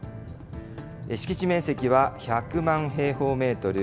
敷地面積は１００万平方メートル。